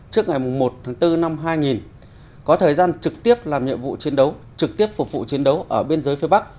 trước ngày một tháng bốn năm hai nghìn có thời gian trực tiếp làm nhiệm vụ chiến đấu trực tiếp phục vụ chiến đấu ở biên giới phía bắc